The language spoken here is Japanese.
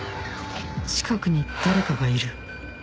近くに誰かがいるハァ。